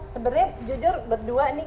sebenarnya jujur berdua nih